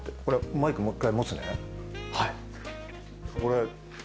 マイクをもう１回持つね。